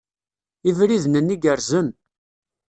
Ibriden-nni gerrzen.